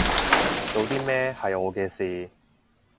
做啲咩係我嘅事